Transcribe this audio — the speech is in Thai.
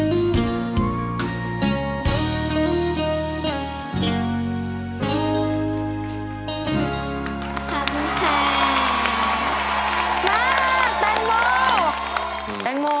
มาแตงโม